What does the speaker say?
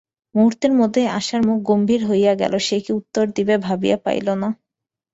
মুহূর্তের মধ্যেই আশার মুখ গম্ভীর হইয়া গেল–সে কী উত্তর দিবে ভাবিয়া পাইল না।